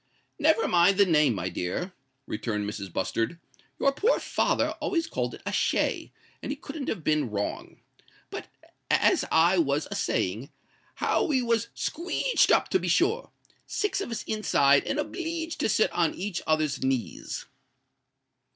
"Never mind the name, my dear," returned Mrs. Bustard. "Your poor father always called it a shay; and he couldn't have been wrong. But, as I was a saying, how we was squeeged up, to be sure! Six of us inside, and obleeged to sit on each other's knees."